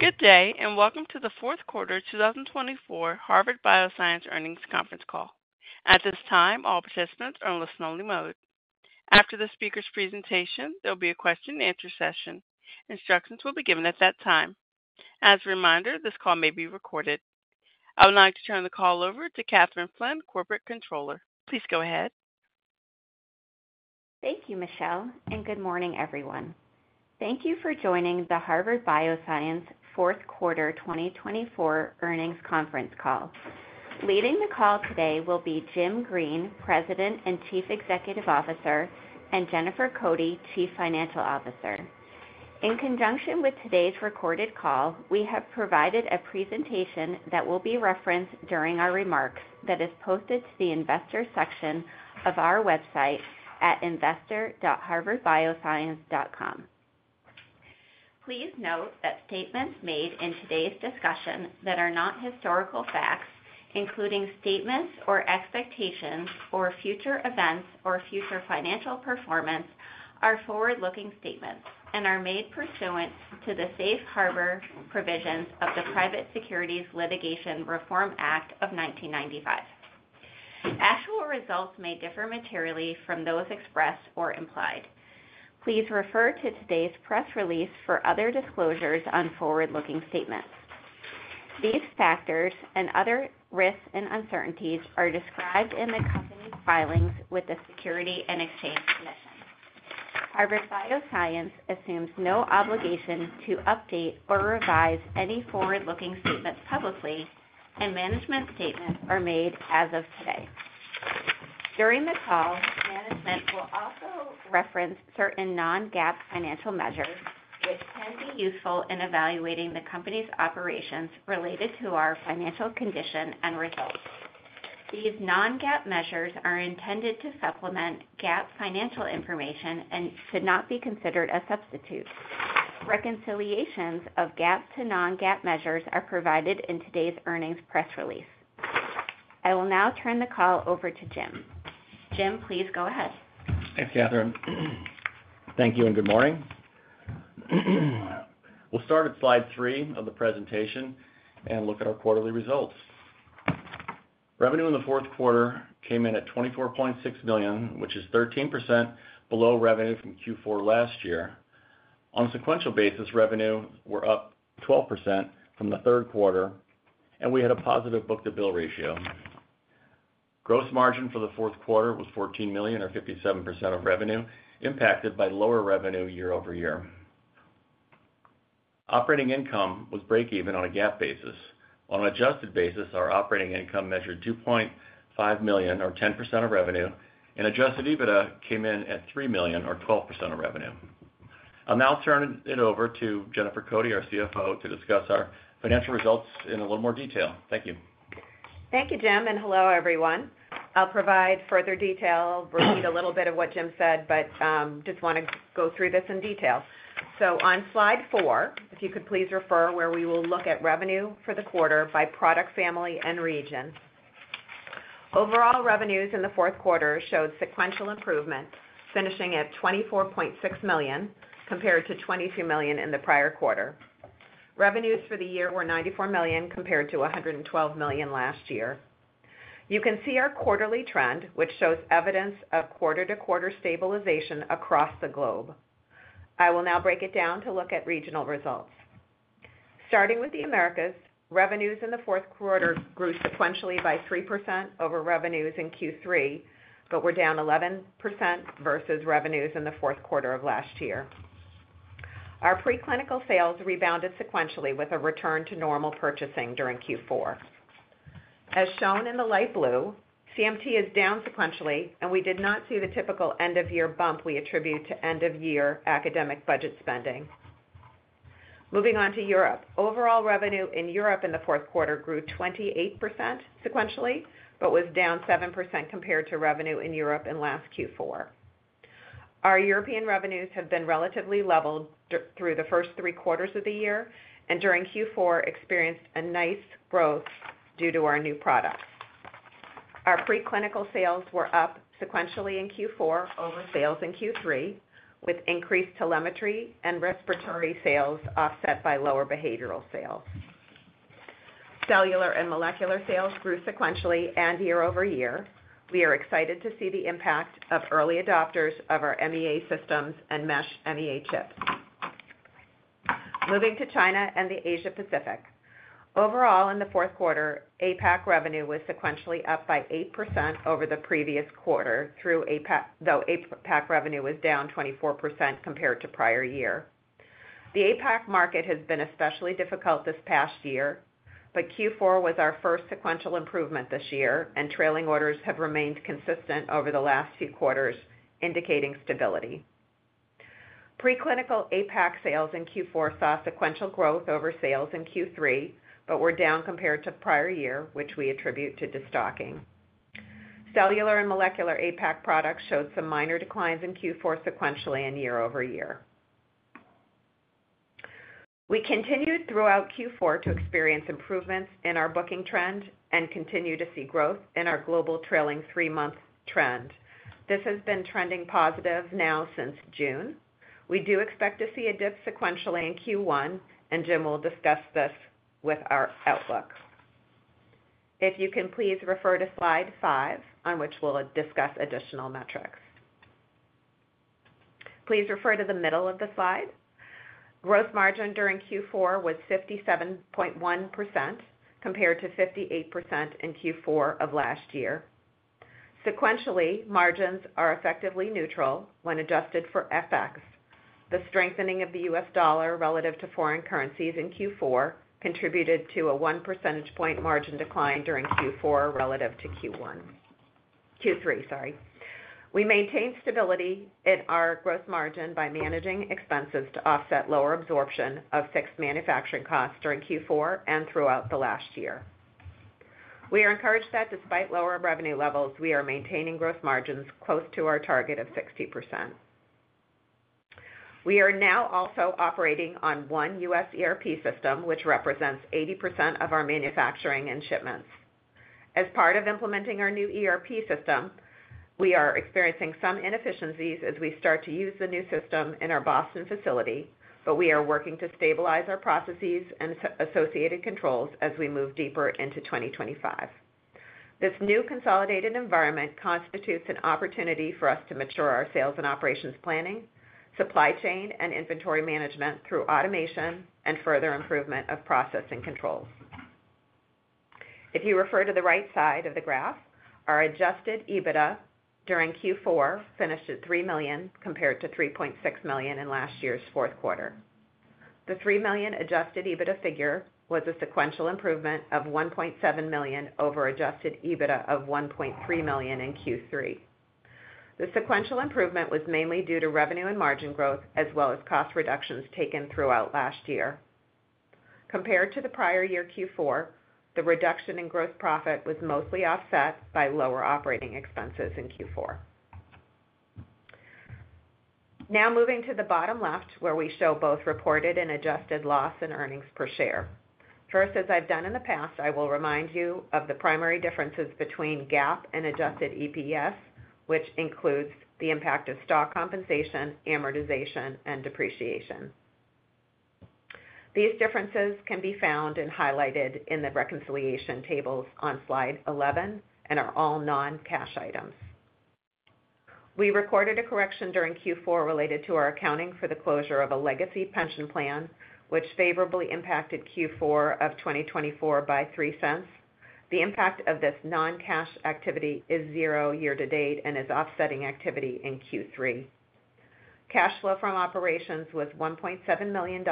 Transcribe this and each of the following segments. Good day, and welcome to the fourth quarter 2024 Harvard Bioscience Earnings Conference Call. At this time, all participants are in listen-only mode. After the speaker's presentation, there will be a question-and-answer session. Instructions will be given at that time. As a reminder, this call may be recorded. I would like to turn the call over to Kathryn Flynn, Corporate Controller. Please go ahead. Thank you, Michelle, and good morning, everyone. Thank you for joining the Harvard Bioscience fourth quarter 2024 Earnings Conference Call. Leading the call today will be Jim Green, President and Chief Executive Officer, and Jennifer Cote, Chief Financial Officer. In conjunction with today's recorded call, we have provided a presentation that will be referenced during our remarks that is posted to the investor section of our website at investor.harvardbioscience.com. Please note that statements made in today's discussion that are not historical facts, including statements or expectations or future events or future financial performance, are forward-looking statements and are made pursuant to the safe harbor provisions of the Private Securities Litigation Reform Act of 1995. Actual results may differ materially from those expressed or implied. Please refer to today's press release for other disclosures on forward-looking statements. These factors and other risks and uncertainties are described in the company's filings with the Securities and Exchange Commission. Harvard Bioscience assumes no obligation to update or revise any forward-looking statements publicly, and management statements are made as of today. During the call, management will also reference certain non-GAAP financial measures, which can be useful in evaluating the company's operations related to our financial condition and results. These non-GAAP measures are intended to supplement GAAP financial information and should not be considered a substitute. Reconciliations of GAAP to non-GAAP measures are provided in today's earnings press release. I will now turn the call over to Jim. Jim, please go ahead. Thanks, Kathryn. Thank you, and good morning. We'll start at slide three of the presentation and look at our quarterly results. Revenue in the fourth quarter came in at $24.6 million, which is 13% below revenue from Q4 last year. On a sequential basis, revenue were up 12% from the third quarter, and we had a positive book-to-bill ratio. Gross margin for the fourth quarter was $14 million, or 57% of revenue, impacted by lower revenue year over year. Operating income was break-even on a GAAP basis. On an adjusted basis, our operating income measured $2.5 million, or 10% of revenue, and adjusted EBITDA came in at $3 million, or 12% of revenue. I'll now turn it over to Jennifer Cote, our CFO, to discuss our financial results in a little more detail. Thank you. Thank you, Jim. Hello, everyone. I'll provide further detail. I'll repeat a little bit of what Jim said, but just want to go through this in detail. On slide four, if you could please refer where we will look at revenue for the quarter by product family and region. Overall revenues in the fourth quarter showed sequential improvement, finishing at $24.6 million compared to $22 million in the prior quarter. Revenues for the year were $94 million compared to $112 million last year. You can see our quarterly trend, which shows evidence of quarter-to-quarter stabilization across the globe. I will now break it down to look at regional results. Starting with the Americas, revenues in the fourth quarter grew sequentially by 3% over revenues in Q3, but were down 11% versus revenues in the fourth quarter of last year. Our preclinical sales rebounded sequentially with a return to normal purchasing during Q4. As shown in the light blue, CMT is down sequentially, and we did not see the typical end-of-year bump we attribute to end-of-year academic budget spending. Moving on to Europe, overall revenue in Europe in the fourth quarter grew 28% sequentially but was down 7% compared to revenue in Europe in last Q4. Our European revenues have been relatively leveled through the first three quarters of the year and during Q4 experienced a nice growth due to our new products. Our preclinical sales were up sequentially in Q4 over sales in Q3, with increased telemetry and respiratory sales offset by lower behavioral sales. Cellular and molecular sales grew sequentially and year over year. We are excited to see the impact of early adopters of our MEA systems and Mesh MEA chips. Moving to China and the Asia-Pacific, overall in the fourth quarter, APAC revenue was sequentially up by 8% over the previous quarter, though APAC revenue was down 24% compared to prior year. The APAC market has been especially difficult this past year, but Q4 was our first sequential improvement this year, and trailing orders have remained consistent over the last few quarters, indicating stability. Preclinical APAC sales in Q4 saw sequential growth over sales in Q3 but were down compared to prior year, which we attribute to destocking. Cellular and molecular APAC products showed some minor declines in Q4 sequentially and year over year. We continued throughout Q4 to experience improvements in our booking trend and continue to see growth in our global trailing three-month trend. This has been trending positive now since June. We do expect to see a dip sequentially in Q1, and Jim will discuss this with our outlook. If you can, please refer to slide five, on which we'll discuss additional metrics. Please refer to the middle of the slide. Gross margin during Q4 was 57.1% compared to 58% in Q4 of last year. Sequentially, margins are effectively neutral when adjusted for FX. The strengthening of the US dollar relative to foreign currencies in Q4 contributed to a 1 percentage point margin decline during Q4 relative to Q3. We maintained stability in our gross margin by managing expenses to offset lower absorption of fixed manufacturing costs during Q4 and throughout the last year. We are encouraged that despite lower revenue levels, we are maintaining gross margins close to our target of 60%. We are now also operating on one US ERP system, which represents 80% of our manufacturing and shipments. As part of implementing our new ERP system, we are experiencing some inefficiencies as we start to use the new system in our Boston facility, but we are working to stabilize our processes and associated controls as we move deeper into 2025. This new consolidated environment constitutes an opportunity for us to mature our sales and operations planning, supply chain, and inventory management through automation and further improvement of process and controls. If you refer to the right side of the graph, our adjusted EBITDA during Q4 finished at $3 million compared to $3.6 million in last year's fourth quarter. The $3 million adjusted EBITDA figure was a sequential improvement of $1.7 million over adjusted EBITDA of $1.3 million in Q3. The sequential improvement was mainly due to revenue and margin growth, as well as cost reductions taken throughout last year. Compared to the prior year Q4, the reduction in gross profit was mostly offset by lower operating expenses in Q4. Now moving to the bottom left, where we show both reported and adjusted loss and earnings per share. First, as I've done in the past, I will remind you of the primary differences between GAAP and adjusted EPS, which includes the impact of stock compensation, amortization, and depreciation. These differences can be found and highlighted in the reconciliation tables on slide 11 and are all non-cash items. We recorded a correction during Q4 related to our accounting for the closure of a legacy pension plan, which favorably impacted Q4 of 2024 by $0.03. The impact of this non-cash activity is zero year to date and is offsetting activity in Q3. Cash flow from operations was $1.7 million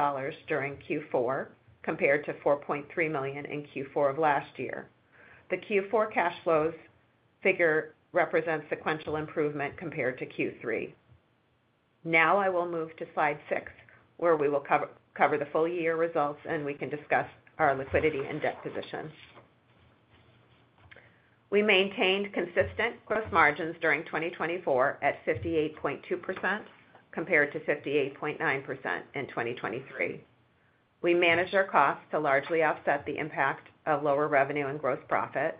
during Q4 compared to $4.3 million in Q4 of last year. The Q4 cash flows figure represents sequential improvement compared to Q3. Now I will move to slide six, where we will cover the full year results, and we can discuss our liquidity and debt position. We maintained consistent gross margins during 2024 at 58.2% compared to 58.9% in 2023. We managed our costs to largely offset the impact of lower revenue and gross profit.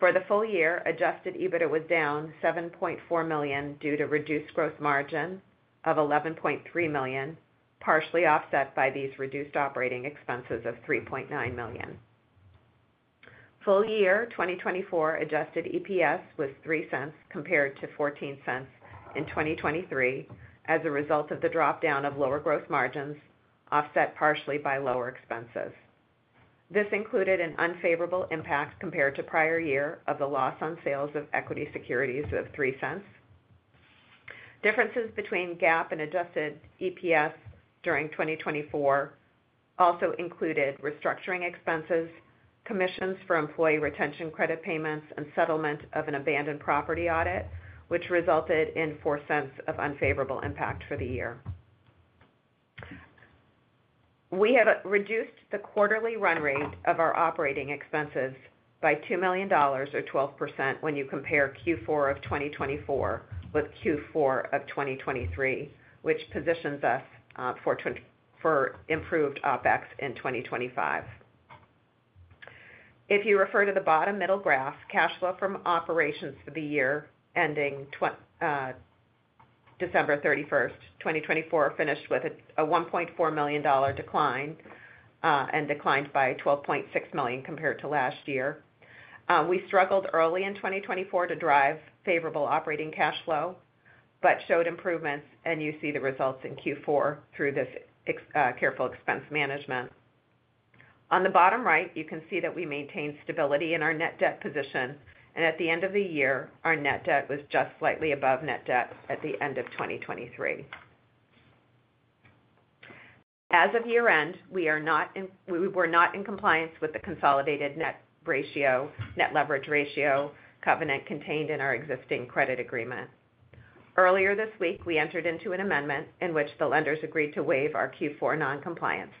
For the full year, adjusted EBITDA was down $7.4 million due to reduced gross margin of $11.3 million, partially offset by these reduced operating expenses of $3.9 million. Full year 2024 adjusted EPS was $0.03 compared to $0.14 in 2023 as a result of the dropdown of lower gross margins offset partially by lower expenses. This included an unfavorable impact compared to prior year of the loss on sales of equity securities of $0.03. Differences between GAAP and adjusted EPS during 2024 also included restructuring expenses, commissions for Employee Retention Credit payments, and settlement of an abandoned property audit, which resulted in $0.04 of unfavorable impact for the year. We have reduced the quarterly run rate of our operating expenses by $2 million, or 12%, when you compare Q4 of 2024 with Q4 of 2023, which positions us for improved OpEx in 2025. If you refer to the bottom middle graph, cash flow from operations for the year ending December 31, 2024, finished with a $1.4 million decline and declined by $12.6 million compared to last year. We struggled early in 2024 to drive favorable operating cash flow but showed improvements, and you see the results in Q4 through this careful expense management. On the bottom right, you can see that we maintained stability in our net debt position, and at the end of the year, our net debt was just slightly above net debt at the end of 2023. As of year-end, we were not in compliance with the consolidated net leverage ratio covenant contained in our existing credit agreement. Earlier this week, we entered into an amendment in which the lenders agreed to waive our Q4 non-compliance.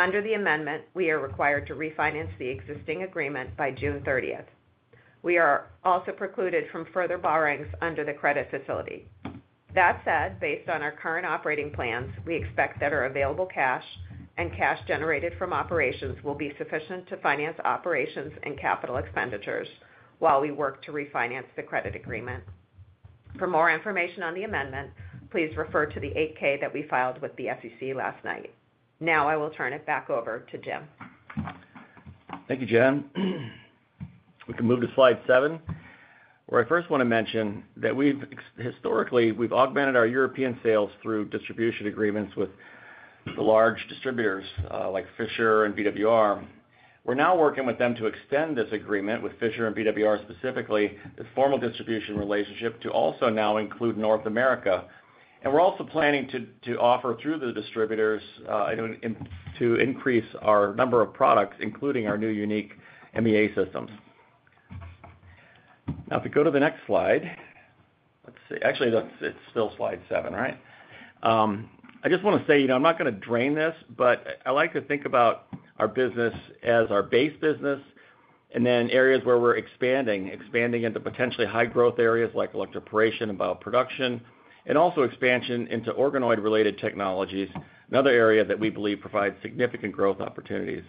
Under the amendment, we are required to refinance the existing agreement by June 30. We are also precluded from further borrowings under the credit facility. That said, based on our current operating plans, we expect that our available cash and cash generated from operations will be sufficient to finance operations and capital expenditures while we work to refinance the credit agreement. For more information on the amendment, please refer to the 8-K that we filed with the SEC last night. Now I will turn it back over to Jim. Thank you, Jen. We can move to slide seven, where I first want to mention that historically, we've augmented our European sales through distribution agreements with the large distributors like Fisher and VWR. We're now working with them to extend this agreement with Fisher and VWR specifically, this formal distribution relationship to also now include North America. We are also planning to offer through the distributors to increase our number of products, including our new unique MEA systems. Now, if we go to the next slide, actually, it's still slide seven, right? I just want to say, I'm not going to drain this, but I like to think about our business as our base business and then areas where we're expanding, expanding into potentially high-growth areas like electroporation and bioproduction, and also expansion into organoid-related technologies, another area that we believe provides significant growth opportunities.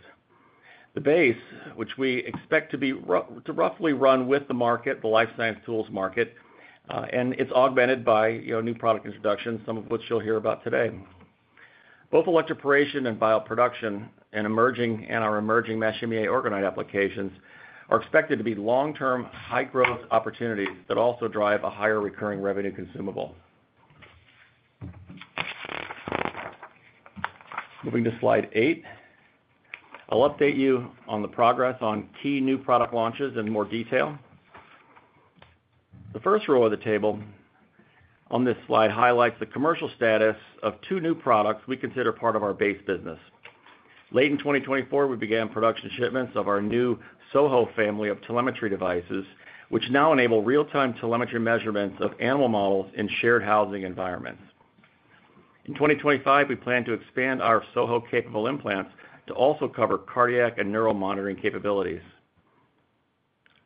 The base, which we expect to roughly run with the market, the life science tools market, and it's augmented by new product introductions, some of which you'll hear about today. Both electroporation and bioproduction and our emerging Mesh MEA organoid applications are expected to be long-term high-growth opportunities that also drive a higher recurring revenue consumable. Moving to slide eight, I'll update you on the progress on key new product launches in more detail. The first row of the table on this slide highlights the commercial status of two new products we consider part of our base business. Late in 2024, we began production shipments of our new SoHo family of telemetry devices, which now enable real-time telemetry measurements of animal models in shared housing environments. In 2025, we plan to expand our SoHo-capable implants to also cover cardiac and neural monitoring capabilities.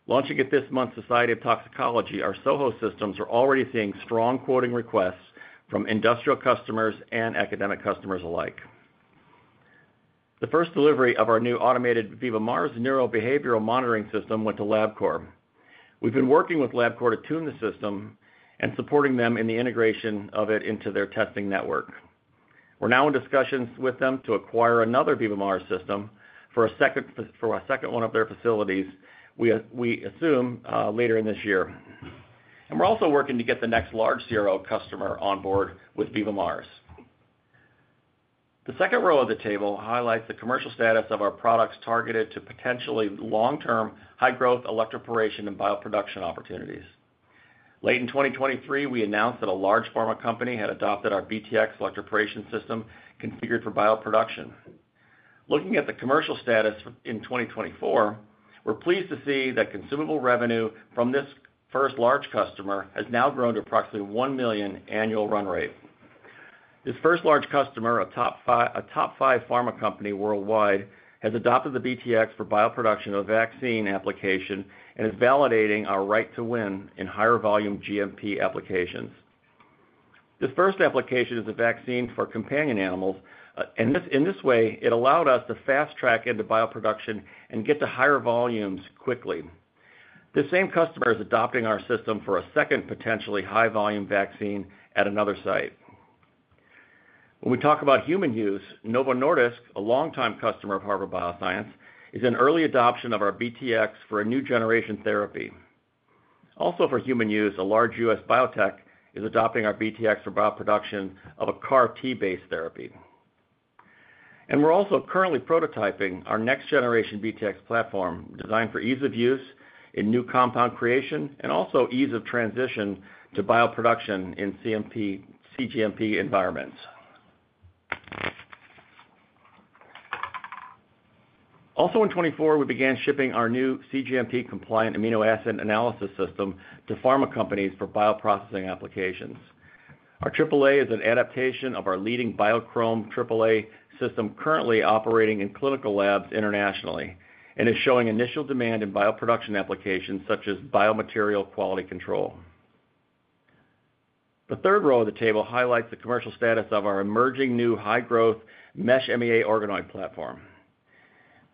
Launching at this month's Society of Toxicology, our SoHo systems are already seeing strong quoting requests from industrial customers and academic customers alike. The first delivery of our new automated VivaMARS neurobehavioral monitoring system went to Labcorp. We've been working with Labcorp to tune the system and supporting them in the integration of it into their testing network. We're now in discussions with them to acquire another VivaMARS system for a second one of their facilities, we assume, later in this year. We are also working to get the next large CRO customer on board with VivaMARS. The second row of the table highlights the commercial status of our products targeted to potentially long-term high-growth electroporation and bioproduction opportunities. Late in 2023, we announced that a large pharma company had adopted our BTX electroporation system configured for bioproduction. Looking at the commercial status in 2024, we're pleased to see that consumable revenue from this first large customer has now grown to approximately $1 million annual run rate. This first large customer, a top five pharma company worldwide, has adopted the BTX for bioproduction of a vaccine application and is validating our right to win in higher volume GMP applications. This first application is a vaccine for companion animals, and in this way, it allowed us to fast-track into bioproduction and get to higher volumes quickly. The same customer is adopting our system for a second potentially high-volume vaccine at another site. When we talk about human use, Novo Nordisk, a longtime customer of Harvard Bioscience, is in early adoption of our BTX for a new generation therapy. Also, for human use, a large US biotech is adopting our BTX for bioproduction of a CAR-T-based therapy. We are also currently prototyping our next-generation BTX platform designed for ease of use in new compound creation and also ease of transition to bioproduction in cGMP environments. Also, in 2024, we began shipping our new cGMP-compliant amino acid analysis system to pharma companies for bioprocessing applications. Our AAA is an adaptation of our leading Biochrom AAA system currently operating in clinical labs internationally and is showing initial demand in bioproduction applications such as biomaterial quality control. The third row of the table highlights the commercial status of our emerging new high-growth Mesh MEA organoid platform.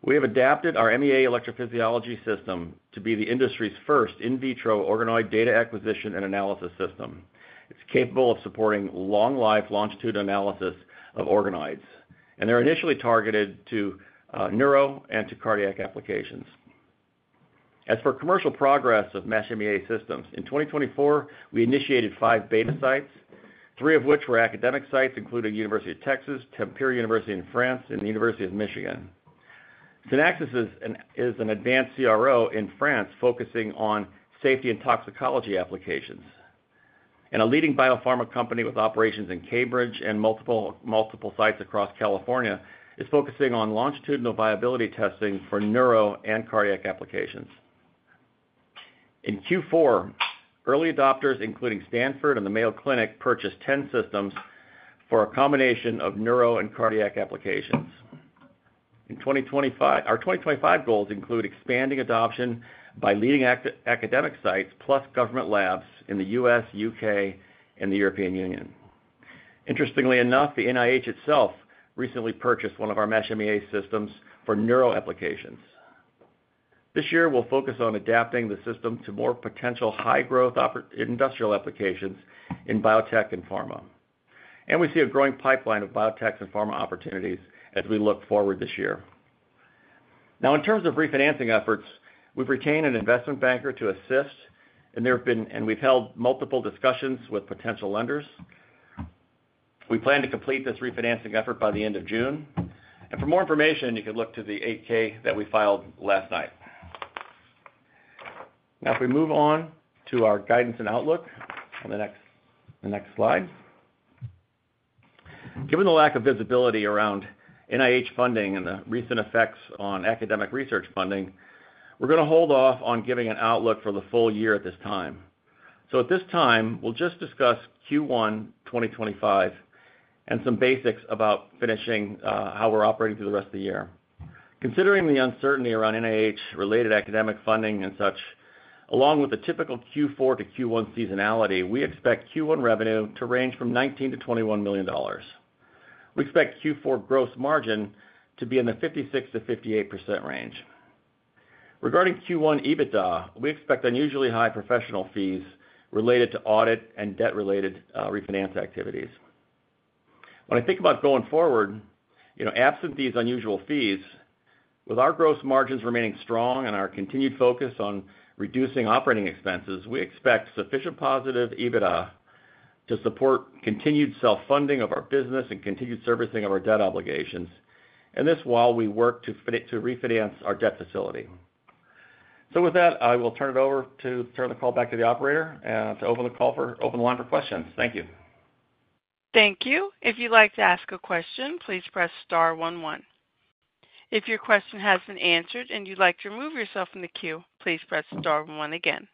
We have adapted our MEA electrophysiology system to be the industry's first in vitro organoid data acquisition and analysis system. It is capable of supporting long-life longitudinal analysis of organoids, and they are initially targeted to neuro and to cardiac applications. As for commercial progress of Mesh MEA systems, in 2024, we initiated five beta sites, three of which were academic sites, including the University of Texas, Tampere University in France, and the University of Michigan. SynapCell is an advanced CRO in France focusing on safety and toxicology applications. A leading biopharma company with operations in Cambridge and multiple sites across California is focusing on longitudinal viability testing for neuro and cardiac applications. In Q4, early adopters, including Stanford and the Mayo Clinic, purchased 10 systems for a combination of neuro and cardiac applications. Our 2025 goals include expanding adoption by leading academic sites plus government labs in the U.S., U.K., and the European Union. Interestingly enough, the NIH itself recently purchased one of our Mesh MEA systems for neuro applications. This year, we'll focus on adapting the system to more potential high-growth industrial applications in biotech and pharma. We see a growing pipeline of biotechs and pharma opportunities as we look forward this year. In terms of refinancing efforts, we have retained an investment banker to assist, and we have held multiple discussions with potential lenders. We plan to complete this refinancing effort by the end of June. For more information, you can look to the 8-K that we filed last night. If we move on to our guidance and outlook on the next slide. Given the lack of visibility around NIH funding and the recent effects on academic research funding, we are going to hold off on giving an outlook for the full year at this time. At this time, we will just discuss Q1 2025 and some basics about finishing how we are operating through the rest of the year. Considering the uncertainty around NIH-related academic funding and such, along with the typical Q4 to Q1 seasonality, we expect Q1 revenue to range from $19 million-$21 million. We expect Q4 gross margin to be in the 56%-58% range. Regarding Q1 EBITDA, we expect unusually high professional fees related to audit and debt-related refinance activities. When I think about going forward, absent these unusual fees, with our gross margins remaining strong and our continued focus on reducing operating expenses, we expect sufficient positive EBITDA to support continued self-funding of our business and continued servicing of our debt obligations, and this while we work to refinance our debt facility. With that, I will turn it over to turn the call back to the operator to open the line for questions. Thank you. Thank you. If you'd like to ask a question, please press star 11. If your question has been answered and you'd like to remove yourself from the queue, please press star 11 again.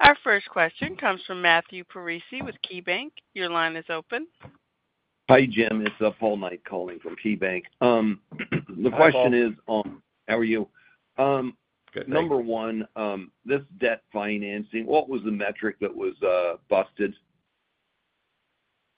Our first question comes from Matthew Parisi with KeyBanc. Your line is open. Hi, Jim. It's Paul Knight calling from KeyBanc. The question is, how are you? Number one, this debt financing, what was the metric that was busted?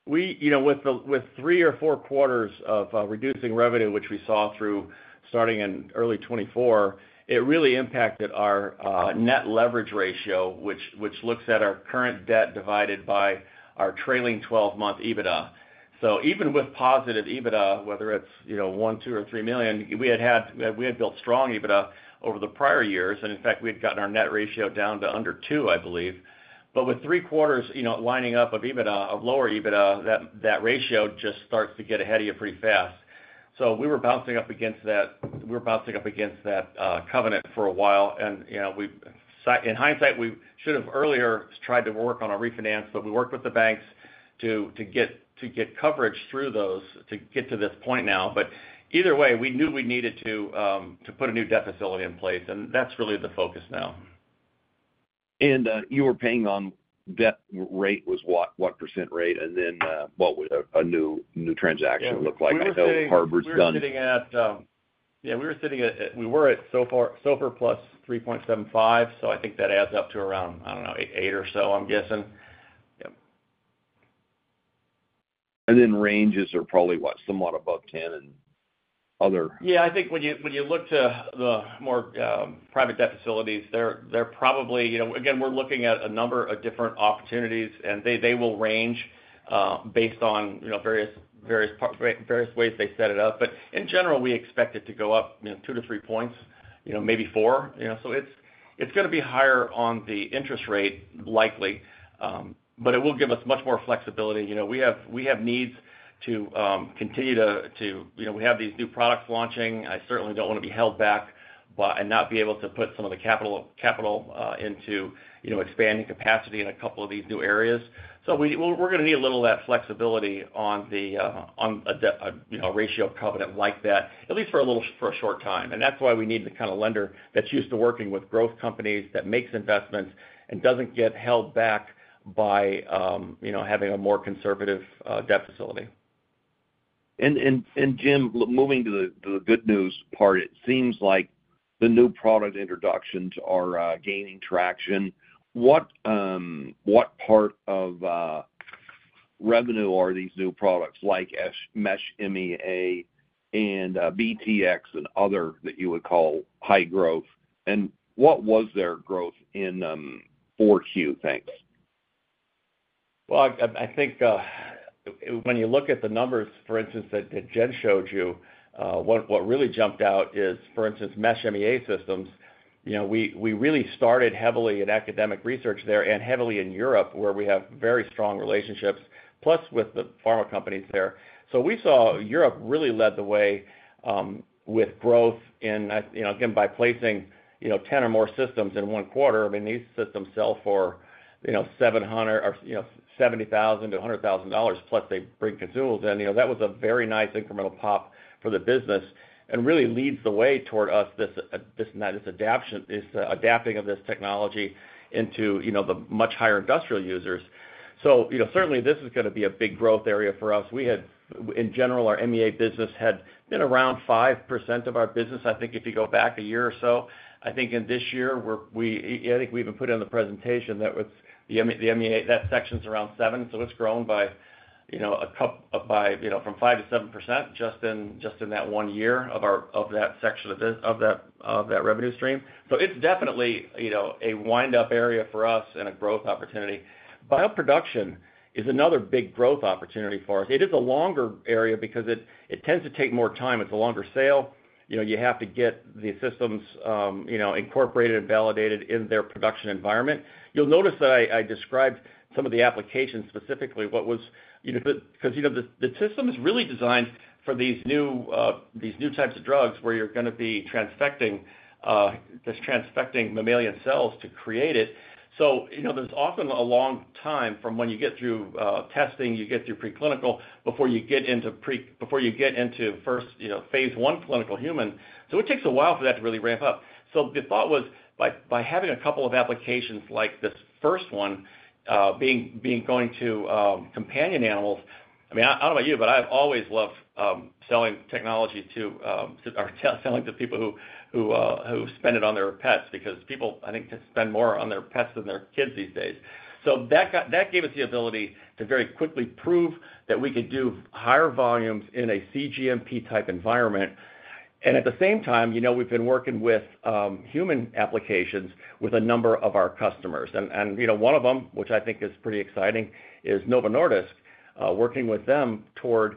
With three or four quarters of reducing revenue, which we saw through starting in early 2024, it really impacted our net leverage ratio, which looks at our current debt divided by our trailing 12-month EBITDA. Even with positive EBITDA, whether it is one, two, or three million, we had built strong EBITDA over the prior years. In fact, we had gotten our net ratio down to under two, I believe. With three quarters lining up of lower EBITDA, that ratio just starts to get ahead of you pretty fast. We were bouncing up against that; we were bouncing up against that covenant for a while. In hindsight, we should have earlier tried to work on our refinance, but we worked with the banks to get coverage through those to get to this point now. Either way, we knew we needed to put a new debt facility in place, and that's really the focus now. You were paying on debt rate was what? What percent rate? What would a new transaction look like? I know Harvard's done. We were sitting at, yeah, we were sitting at, we were at SOFR +3.75, so I think that adds up to around, I do not know, eight or so, I am guessing. Yep. Ranges are probably what, somewhat above 10 and other? Yeah, I think when you look to the more private debt facilities, they're probably, again, we're looking at a number of different opportunities, and they will range based on various ways they set it up. In general, we expect it to go up two to three points, maybe four. It is going to be higher on the interest rate, likely, but it will give us much more flexibility. We have needs to continue to, we have these new products launching. I certainly don't want to be held back and not be able to put some of the capital into expanding capacity in a couple of these new areas. We are going to need a little of that flexibility on a ratio covenant like that, at least for a short time. That is why we need the kind of lender that is used to working with growth companies, that makes investments and does not get held back by having a more conservative debt facility. Jim, moving to the good news part, it seems like the new product introductions are gaining traction. What part of revenue are these new products like Mesh MEA and BTX and other that you would call high growth? And what was their growth in four Q? Thanks. I think when you look at the numbers, for instance, that Jen showed you, what really jumped out is, for instance, Mesh MEA systems. We really started heavily in academic research there and heavily in Europe, where we have very strong relationships, plus with the pharma companies there. We saw Europe really led the way with growth in, again, by placing 10 or more systems in one quarter. I mean, these systems sell for $70,000-$100,000, plus they bring consumables in. That was a very nice incremental pop for the business and really leads the way toward us, this adapting of this technology into the much higher industrial users. Certainly, this is going to be a big growth area for us. We had, in general, our MEA business had been around 5% of our business. I think if you go back a year or so, I think in this year, I think we even put it in the presentation that that section's around 7%. So it's grown by from 5% to 7% just in that one year of that section of that revenue stream. It's definitely a wind-up area for us and a growth opportunity. Bioproduction is another big growth opportunity for us. It is a longer area because it tends to take more time. It's a longer sale. You have to get the systems incorporated and validated in their production environment. You'll notice that I described some of the applications specifically what was because the system is really designed for these new types of drugs where you're going to be transfecting these transfecting mammalian cells to create it. There's often a long time from when you get through testing, you get through preclinical before you get into first phase one clinical human. It takes a while for that to really ramp up. The thought was, by having a couple of applications like this first one being going to companion animals, I mean, I don't know about you, but I've always loved selling technology to or selling to people who spend it on their pets because people, I think, spend more on their pets than their kids these days. That gave us the ability to very quickly prove that we could do higher volumes in a cGMP-type environment. At the same time, we've been working with human applications with a number of our customers. One of them, which I think is pretty exciting, is Novo Nordisk, working with them toward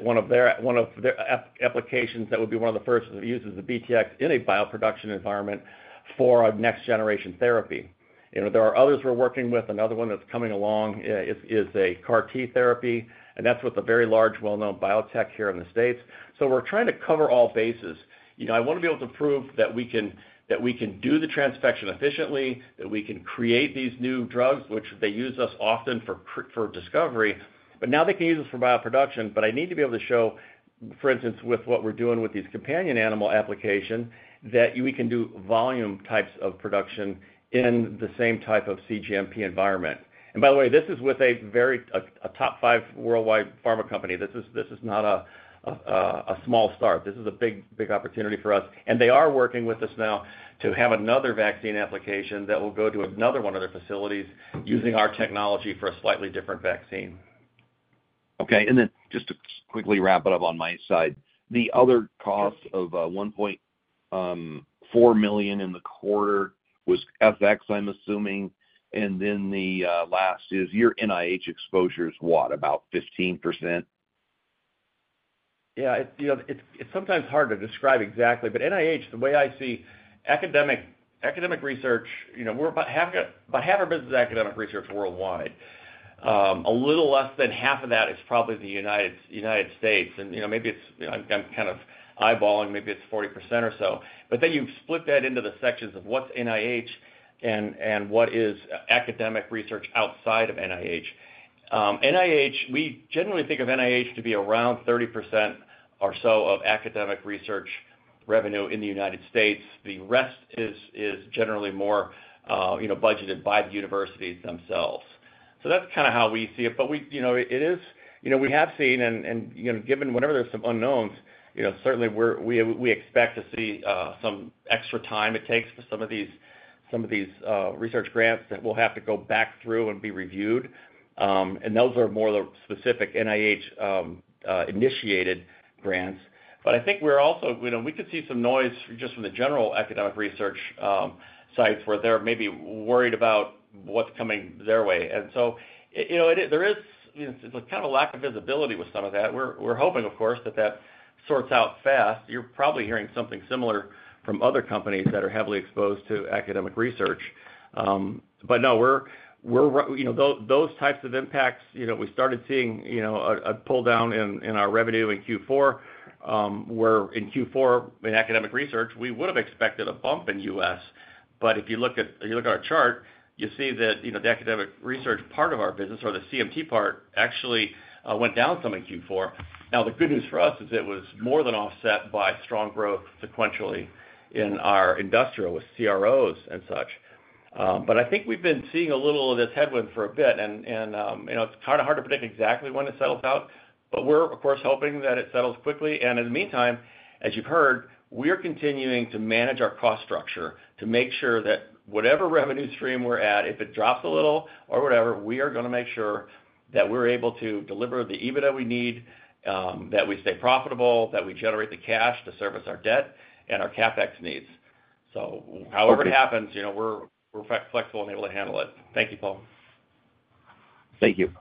one of their applications that would be one of the first that uses the BTX in a bioproduction environment for a next-generation therapy. There are others we're working with. Another one that's coming along is a CAR-T therapy, and that's with a very large, well-known biotech here in the States. We are trying to cover all bases. I want to be able to prove that we can do the transfection efficiently, that we can create these new drugs, which they use us often for discovery, but now they can use us for bioproduction. I need to be able to show, for instance, with what we're doing with these companion animal applications, that we can do volume types of production in the same type of cGMP environment. By the way, this is with a top five worldwide pharma company. This is not a small start. This is a big opportunity for us. They are working with us now to have another vaccine application that will go to another one of their facilities using our technology for a slightly different vaccine. Okay. And then just to quickly wrap it up on my side, the other cost of $1.4 million in the quarter was FX, I'm assuming. And then the last is your NIH exposure is what, about 15%? Yeah. It's sometimes hard to describe exactly, but NIH, the way I see academic research, we're about half our business is academic research worldwide. A little less than half of that is probably the United States. And maybe I'm kind of eyeballing, maybe it's 40% or so. But then you split that into the sections of what's NIH and what is academic research outside of NIH. We generally think of NIH to be around 30% or so of academic research revenue in the United States. The rest is generally more budgeted by the universities themselves. That's kind of how we see it. It is, we have seen, and given whenever there's some unknowns, certainly we expect to see some extra time it takes for some of these research grants that will have to go back through and be reviewed. Those are more of the specific NIH-initiated grants. I think we're also, we could see some noise just from the general academic research sites where they're maybe worried about what's coming their way. There is kind of a lack of visibility with some of that. We're hoping, of course, that that sorts out fast. You're probably hearing something similar from other companies that are heavily exposed to academic research. No, those types of impacts, we started seeing a pull down in our revenue in Q4, where in Q4, in academic research, we would have expected a bump in the U.S. If you look at our chart, you see that the academic research part of our business, or the CMT part, actually went down some in Q4. The good news for us is it was more than offset by strong growth sequentially in our industrial with CROs and such. I think we've been seeing a little of this headwind for a bit, and it's kind of hard to predict exactly when it settles out. We're, of course, hoping that it settles quickly. In the meantime, as you've heard, we're continuing to manage our cost structure to make sure that whatever revenue stream we're at, if it drops a little or whatever, we are going to make sure that we're able to deliver the EBITDA we need, that we stay profitable, that we generate the cash to service our debt and our CapEx needs. However it happens, we're flexible and able to handle it. Thank you, Paul. Thank you.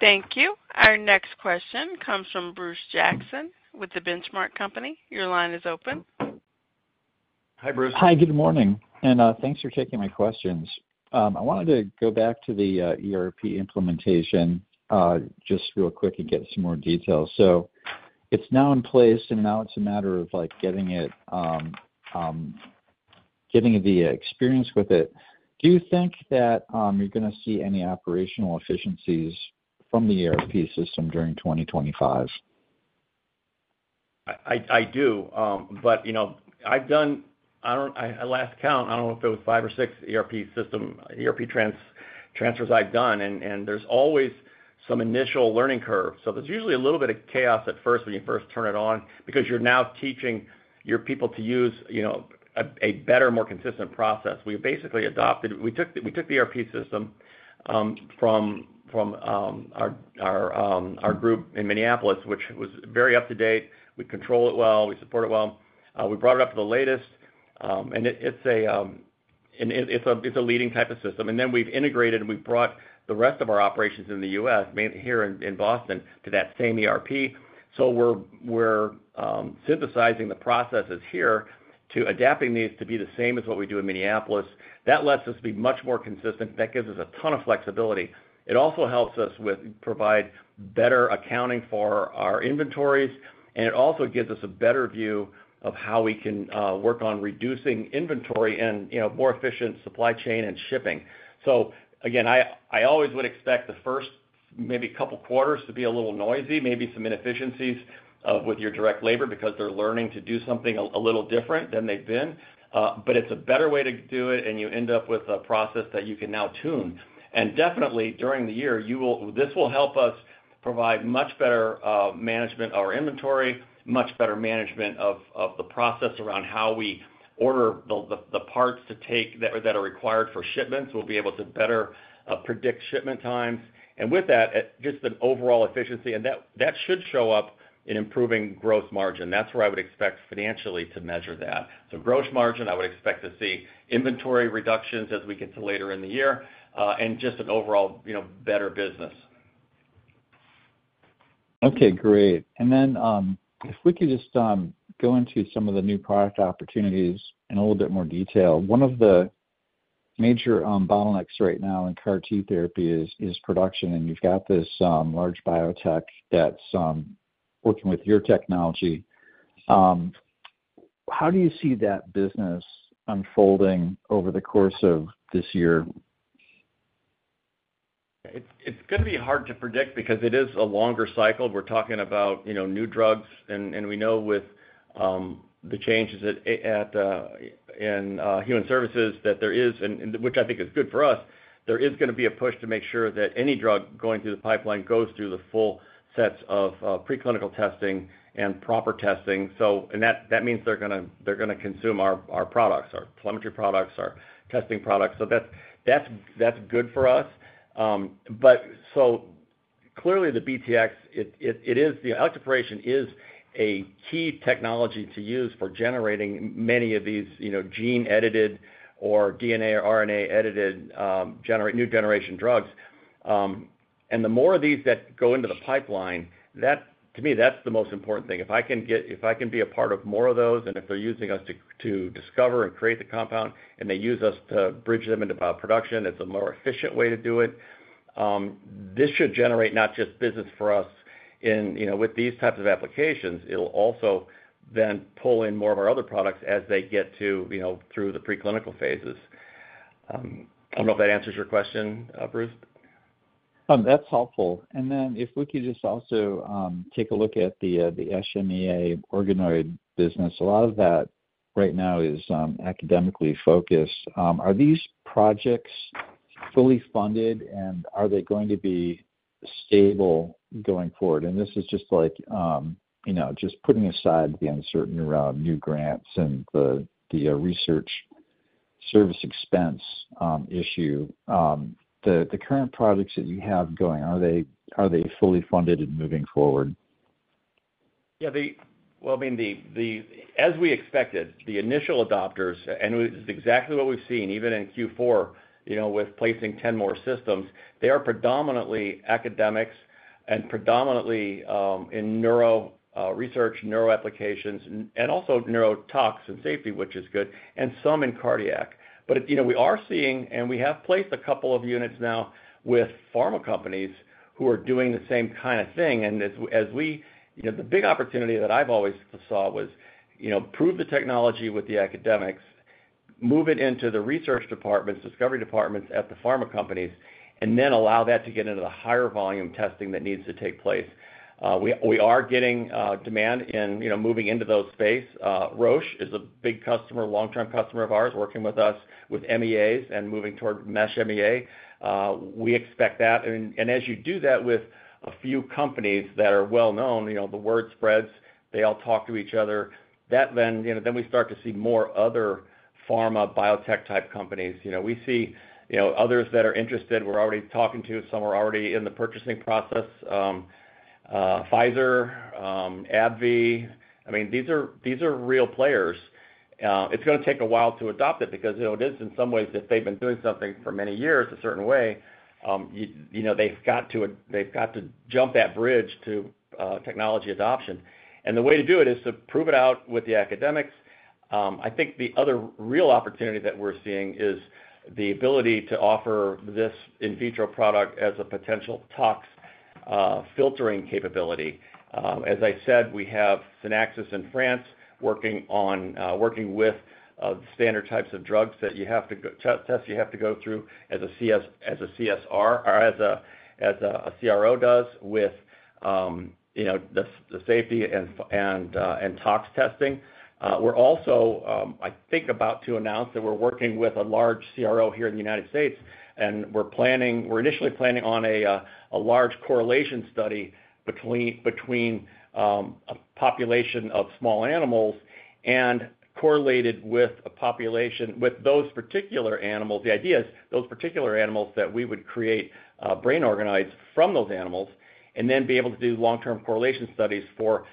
Thank you. Our next question comes from Bruce Jackson with The Benchmark Company. Your line is open. Hi, Bruce. Hi, good morning. Thanks for taking my questions. I wanted to go back to the ERP implementation just real quick and get some more details. It's now in place, and now it's a matter of getting the experience with it. Do you think that you're going to see any operational efficiencies from the ERP system during 2025? I do. But I've done, last count, I don't know if it was five or six ERP transfers I've done, and there's always some initial learning curve. There's usually a little bit of chaos at first when you first turn it on because you're now teaching your people to use a better, more consistent process. We basically adopted, we took the ERP system from our group in Minneapolis, which was very up to date. We control it well. We support it well. We brought it up to the latest. It's a leading type of system. We've integrated and we've brought the rest of our operations in the U.S., mainly here in Boston, to that same ERP. We're synthesizing the processes here to adapting these to be the same as what we do in Minneapolis. That lets us be much more consistent. That gives us a ton of flexibility. It also helps us provide better accounting for our inventories, and it also gives us a better view of how we can work on reducing inventory and more efficient supply chain and shipping. I always would expect the first maybe couple of quarters to be a little noisy, maybe some inefficiencies with your direct labor because they're learning to do something a little different than they've been. But it's a better way to do it, and you end up with a process that you can now tune. Definitely during the year, this will help us provide much better management of our inventory, much better management of the process around how we order the parts that are required for shipments. We'll be able to better predict shipment times. With that, just an overall efficiency, and that should show up in improving gross margin. That is where I would expect financially to measure that. Gross margin, I would expect to see inventory reductions as we get to later in the year and just an overall better business. Okay, great. If we could just go into some of the new product opportunities in a little bit more detail. One of the major bottlenecks right now in CAR-T therapy is production, and you've got this large biotech that's working with your technology. How do you see that business unfolding over the course of this year? It's going to be hard to predict because it is a longer cycle. We're talking about new drugs, and we know with the changes in human services that there is, which I think is good for us, there is going to be a push to make sure that any drug going through the pipeline goes through the full sets of preclinical testing and proper testing. That means they're going to consume our products, our telemetry products, our testing products. That's good for us. Clearly, the BTX, it is the electroporation is a key technology to use for generating many of these gene-edited or DNA or RNA-edited new generation drugs. The more of these that go into the pipeline, to me, that's the most important thing. If I can be a part of more of those, and if they're using us to discover and create the compound, and they use us to bridge them into bioproduction, it's a more efficient way to do it. This should generate not just business for us. With these types of applications, it'll also then pull in more of our other products as they get through the preclinical phases. I don't know if that answers your question, Bruce. That's helpful. If we could just also take a look at the Mesh MEA organoid business. A lot of that right now is academically focused. Are these projects fully funded, and are they going to be stable going forward? This is just like just putting aside the uncertainty around new grants and the research service expense issue. The current projects that you have going, are they fully funded and moving forward? Yeah. I mean, as we expected, the initial adopters, and it is exactly what we've seen even in Q4 with placing 10 more systems, they are predominantly academics and predominantly in neuro research, neuro applications, and also neurotox and safety, which is good, and some in cardiac. We are seeing, and we have placed a couple of units now with pharma companies who are doing the same kind of thing. The big opportunity that I've always saw was prove the technology with the academics, move it into the research departments, discovery departments at the pharma companies, and then allow that to get into the higher volume testing that needs to take place. We are getting demand in moving into those space. Roche is a big customer, long-term customer of ours, working with us with MEAs and moving toward Mesh MEA. We expect that. As you do that with a few companies that are well-known, the word spreads, they all talk to each other. We start to see more other pharma biotech type companies. We see others that are interested. We're already talking to some who are already in the purchasing process: Pfizer, AbbVie. I mean, these are real players. It's going to take a while to adopt it because it is in some ways, if they've been doing something for many years a certain way, they've got to jump that bridge to technology adoption. The way to do it is to prove it out with the academics. I think the other real opportunity that we're seeing is the ability to offer this in vitro product as a potential tox filtering capability. As I said, we have SynapCell in France working with standard types of drugs that you have to test. You have to go through as a CSR or as a CRO does with the safety and tox testing. We're also, I think, about to announce that we're working with a large CRO here in the United States, and we're initially planning on a large correlation study between a population of small animals and correlated with those particular animals. The idea is those particular animals that we would create brain organoids from those animals and then be able to do long-term correlation studies for,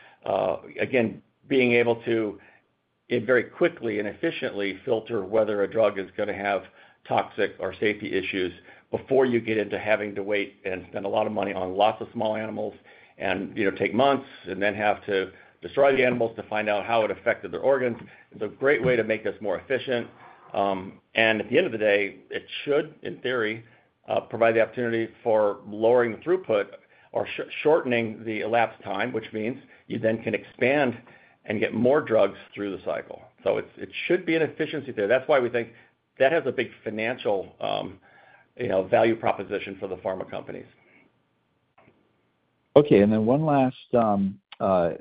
again, being able to very quickly and efficiently filter whether a drug is going to have toxic or safety issues before you get into having to wait and spend a lot of money on lots of small animals and take months and then have to destroy the animals to find out how it affected their organs. It's a great way to make this more efficient. At the end of the day, it should, in theory, provide the opportunity for lowering the throughput or shortening the elapsed time, which means you then can expand and get more drugs through the cycle. It should be an efficiency there. That's why we think that has a big financial value proposition for the pharma companies. Okay. One last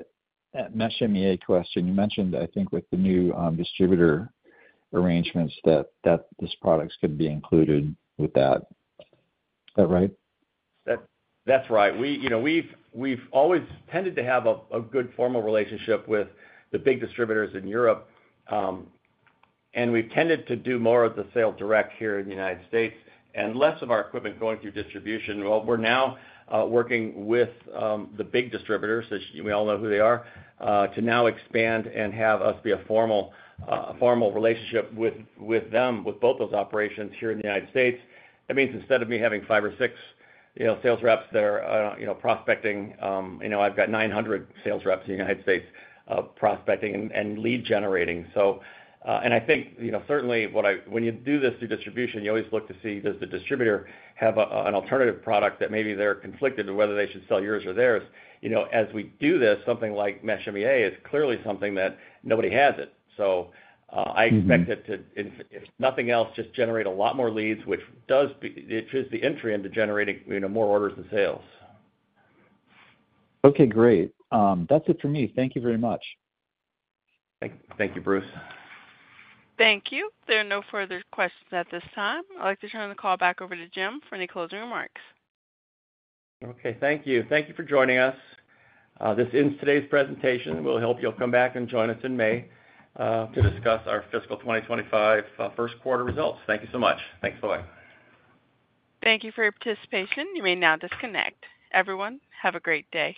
Mesh MEA question. You mentioned, I think, with the new distributor arrangements that this product could be included with that. Is that right? That's right. We've always tended to have a good formal relationship with the big distributors in Europe, and we've tended to do more of the sales direct here in the U.S. and less of our equipment going through distribution. We are now working with the big distributors, as we all know who they are, to now expand and have us be a formal relationship with them, with both those operations here in the U.S. That means instead of me having five or six sales reps that are prospecting, I've got 900 sales reps in the U.S. prospecting and lead generating. I think certainly when you do this through distribution, you always look to see, does the distributor have an alternative product that maybe they're conflicted on whether they should sell yours or theirs? As we do this, something like Mesh MEA is clearly something that nobody has it. I expect it to, if nothing else, just generate a lot more leads, which is the entry into generating more orders and sales. Okay, great. That's it for me. Thank you very much. Thank you, Bruce. Thank you. There are no further questions at this time. I'd like to turn the call back over to Jim for any closing remarks. Okay. Thank you. Thank you for joining us. This ends today's presentation. We'll hope you'll come back and join us in May to discuss our fiscal 2025 first quarter results. Thank you so much. Thanks. Bye-bye. Thank you for your participation. You may now disconnect. Everyone, have a great day.